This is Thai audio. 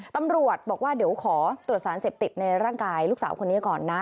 ตำรวจบอกว่าเดี๋ยวขอตรวจสารเสพติดในร่างกายลูกสาวคนนี้ก่อนนะ